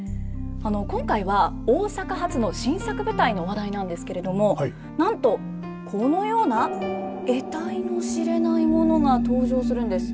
今回は大阪発の新作舞台の話題なんですけれどもなんとこのような得体の知れないものが登場するんです。